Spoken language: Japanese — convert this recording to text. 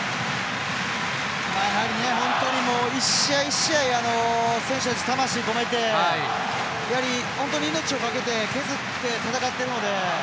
本当に一試合一試合選手たち魂を込めて本当に命をかけて、削って戦っているので。